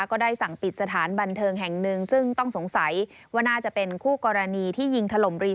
ก็ได้สั่งปิดสถานบันเทิงแห่งหนึ่งซึ่งต้องสงสัยว่าน่าจะเป็นคู่กรณีที่ยิงถล่มรี